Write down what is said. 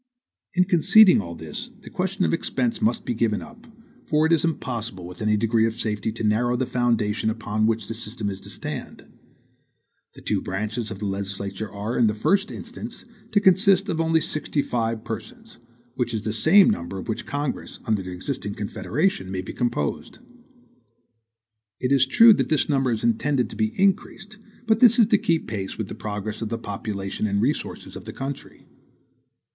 In conceding all this, the question of expense must be given up; for it is impossible, with any degree of safety, to narrow the foundation upon which the system is to stand. The two branches of the legislature are, in the first instance, to consist of only sixty five persons, which is the same number of which Congress, under the existing Confederation, may be composed. It is true that this number is intended to be increased; but this is to keep pace with the progress of the population and resources of the country.